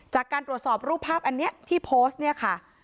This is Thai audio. จากการตรวจสอบรูปภาพอันนี้ที่โพสต์เนี่ยค่ะ